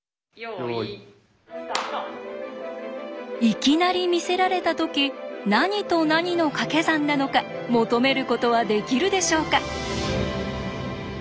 いきなり見せられた時何と何のかけ算なのか求めることはできるでしょうか。